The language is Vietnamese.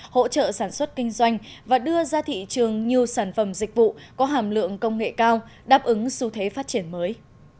hỗ trợ sản xuất kinh doanh và đưa ra thị trường nhiều sản phẩm dịch vụ có hàm lượng công nghệ cao đáp ứng xu thế phát triển mới